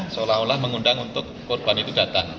seolah olah mengundang untuk korban itu datang